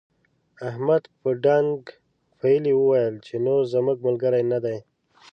احمد په ډانګ پېيلې وويل چې نور زموږ ملګری نه دی.